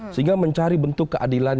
sehingga mencari bentuk keadilan